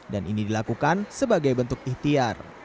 dan ini dilakukan sebagai bentuk ihtiar